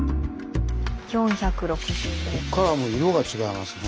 こっからはもう色が違いますね。